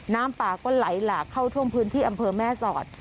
น้ำป่าก็ไหลหลากเข้าท่วมพื้นที่อำเภอแม่สอด